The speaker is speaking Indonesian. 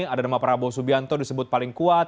ada nama prabowo subianto disebut paling kuat